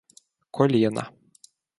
коліна.